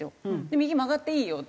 右曲がっていいよって。